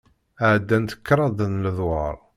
Ɛeddant kraḍ n ledwaṛ.